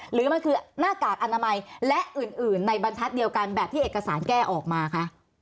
หรือมันคือหน้ากากอนามัยและอื่นในบรรทัศน์เดียวกันแบบที่เอกสารแก้ออกมาคะ